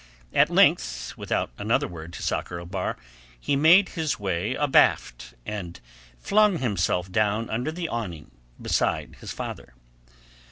At length, without another word to Sakr el Bahr, he made his way abaft, and flung himself down under the awning, beside his father.